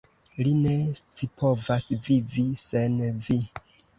Li ne scipovas vivi sen vi.